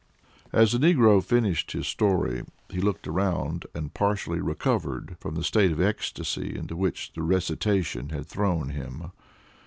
As the negro finished his story he looked around, and partially recovered from the state of ecstasy into which the recitation had thrown him.